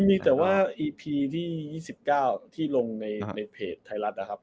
มีแต่ว่าอีพีที่๒๙ที่ลงในเพจไทยรัฐนะครับ